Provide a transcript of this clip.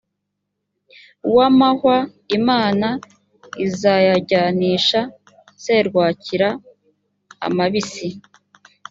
w amahwa imana izayajyanisha serwakira amabisi